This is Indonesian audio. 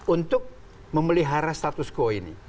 untuk memelihara status quo ini